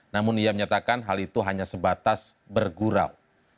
namun ia menyatakan hal itu hanya sebatas bergurau